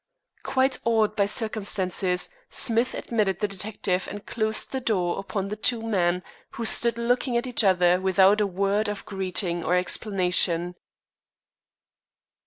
Quite awed by circumstances, Smith admitted the detective and closed the door upon the two men, who stood looking at each other without a word of greeting or explanation.